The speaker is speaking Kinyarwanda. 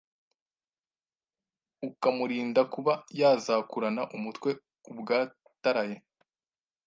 ukamurinda kuba yazakurana umutwe ubwataraye.